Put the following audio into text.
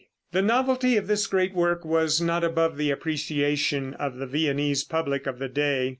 The novelty of this great work was not above the appreciation of the Viennese public of the day.